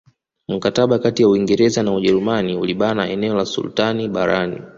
Mkataba kati ya Uingereza na Ujerumani ulibana eneo la sultani barani